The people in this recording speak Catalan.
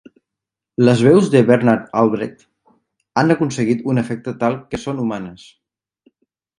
Les veus de Bernard Albrecht han aconseguit un efecte tal que són humanes.